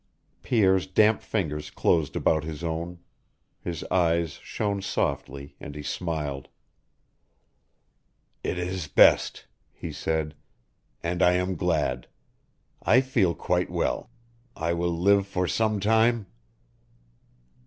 Pierre's damp fingers closed about his own. His eyes shone softly, and he smiled. "It is best," he said, "and I am glad. I feel quite well. I will live for some time?"